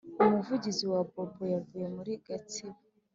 umuvugizi wa bobo yavuye muri gatsibo